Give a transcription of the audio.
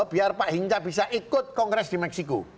biar pak hinca bisa ikut kongres di meksiko